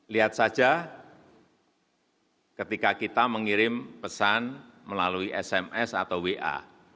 lihat saja ketika kita mengirim pesan melalui sms atau wa